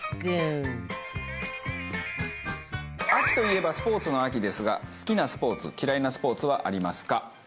秋といえばスポーツの秋ですが好きなスポーツ嫌いなスポーツはありますか？